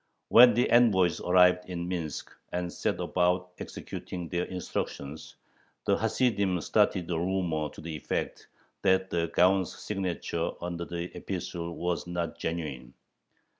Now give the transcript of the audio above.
When the envoys arrived in Minsk, and set about executing their instructions, the Hasidim started a rumor to the effect that the Gaon's signature under the epistle was not genuine.